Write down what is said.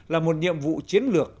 là một nhiệm vụ chiến lược